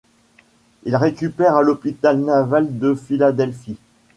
Il récupère à l'hôpital naval de Philadelphie.